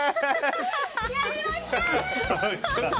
やりましたー！